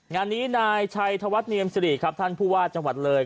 งานนี้นายชัยธวัฒเนียมสิริครับท่านผู้ว่าจังหวัดเลย